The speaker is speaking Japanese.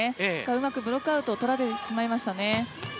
うまくブロックアウトを取られてしまいましたね。